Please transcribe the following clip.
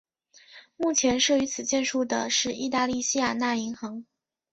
目前设于此建筑的是意大利西雅那银行。